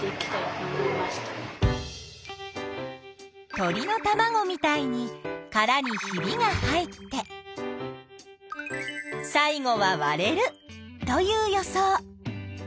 鳥のたまごみたいにカラにひびが入って最後はわれるという予想。